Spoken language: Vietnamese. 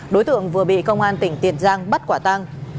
đối tượng vừa bị công an tỉnh tiền giang bắt quả tăng